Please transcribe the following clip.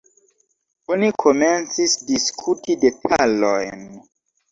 Oni komencis diskuti detalojn.